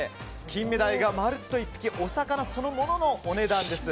キンメダイがまるっと１匹お魚そのもののお値段です。